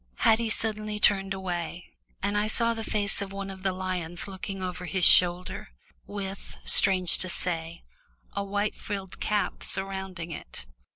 Haddie suddenly turned away, and I saw the face of one of the lions looking over his shoulder, with, strange to say, a white frilled cap surrounding it.